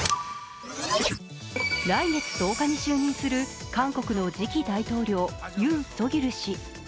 来月１０日に就任する韓国の次期大統領、ユン・ソギョル氏。